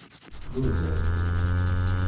Nuder-d.